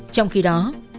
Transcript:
trong khi đó